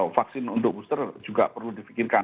vaksin untuk booster juga perlu di pikirkan